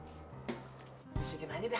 bisa ikut aja dah